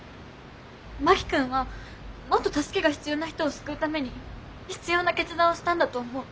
真木君はもっと助けが必要な人を救うために必要な決断をしたんだと思う。